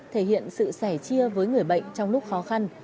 thể hiện sự sẻ chia với người bệnh trong lúc khó khăn